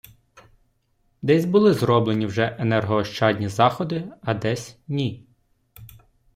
Десь були зроблені вже енергоощадні заходи, а десь - ні.